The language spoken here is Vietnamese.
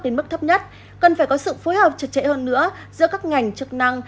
đến mức thấp nhất cần phải có sự phối hợp trật trễ hơn nữa giữa các ngành chức năng